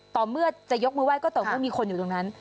ต่อเมื่อจะยกมือไห้ก็ต่อเมื่อมีคนอยู่ตรงนั้น